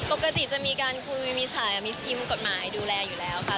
ปกติจะมีการคุยมีทีมกฎหมายดูแลอยู่แล้วค่ะ